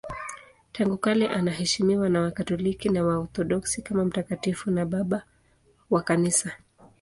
Tangu kale anaheshimiwa na Wakatoliki na Waorthodoksi kama mtakatifu na Baba wa Kanisa.